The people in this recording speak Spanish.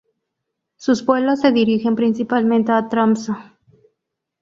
Sus vuelos se dirigen principalmente a Tromsø.